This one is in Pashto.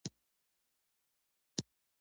بوتل د ښوونځي زدهکوونکو لپاره ضروري دی.